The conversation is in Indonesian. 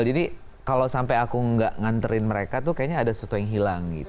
jadi kalau sampai aku nggak nganterin mereka tuh kayaknya ada sesuatu yang hilang gitu